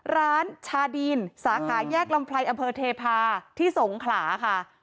ร้านชาดีนสาขาแยกลำไพรอำเภอเทพาที่สงขลาค่ะ